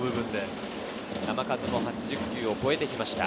球数は８０球を超えてきました。